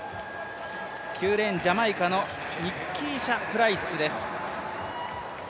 ９レーン、ジャマイカのニッキーシャ・プライスです。